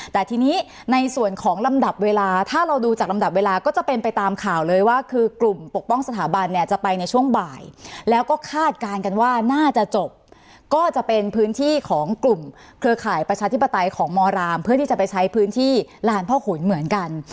แต่ทีนี้ในส่วนของลำดับเวลาถ้าเราดูจากลำดับเวลาก็จะเป็นไปตามข่าวเลยว่าคือกลุ่มปกป้องสถาบันเนี่ยจะไปในช่วงบ่ายแล้วก็คาดการณ์กันว่าน่าจะจบก็จะเป็นพื้นที่ของกลุ่มเครือข่ายประชาธิปไตยของมรามเพื่อที่จะไปใช้พื้นที่ลานพ่อขุนเหมือนกัน